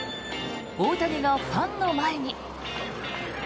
大谷がファンの前に。